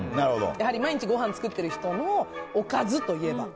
毎日ごはん作ってる人のおかずといえば。